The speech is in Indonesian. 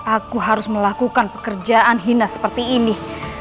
aku harus melakukan pekerjaan hinas seperti ini